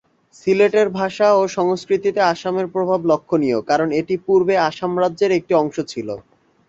সিলেটের ভাষা ও সংস্কৃতিতে আসামের প্রভাব লক্ষণীয় কারণ এটি পূর্বে আসাম রাজ্যের একটি অংশ ছিল।